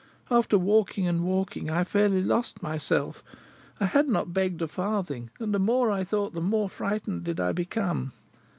After walking and walking, I fairly lost myself; I had not begged a farthing, and the more I thought the more frightened did I become.